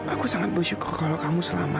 aku sangat bersyukur kalau kamu selamat